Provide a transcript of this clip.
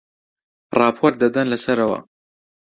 ڕاپۆرت دەدەن لەسەر ئەوە